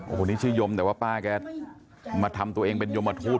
โอ้โหนี่ชื่อยมแต่ว่าป้าแกมาทำตัวเองเป็นยมทูต